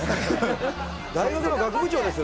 大学の学部長ですよ。